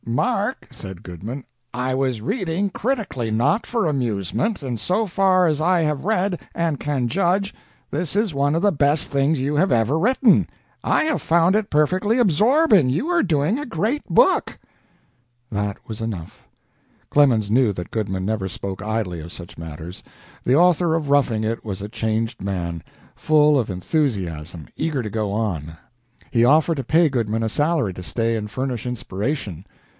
"Mark," said Goodman, "I was reading critically, not for amusement, and so far as I have read, and can judge, this is one of the best things you have ever written. I have found it perfectly absorbing. You are doing a great book!" That was enough. Clemens knew that Goodman never spoke idly of such matters. The author of "Roughing It" was a changed man full of enthusiasm, eager to go on. He offered to pay Goodman a salary to stay and furnish inspiration.